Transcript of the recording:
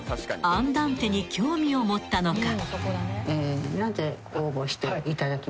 ［アンダンテに興味を持ったのか？］